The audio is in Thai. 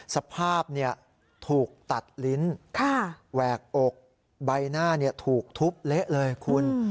สภาพถูกตัดลิ้นแหวกอกใบหน้าถูกทุบเละเลยคุณ